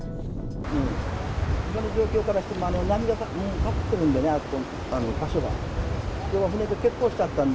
今の状況からしても、波が高くなってるんでね、あの場所が。